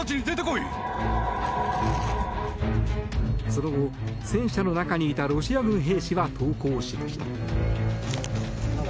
その後、戦車の中にいたロシア軍兵士は投降しました。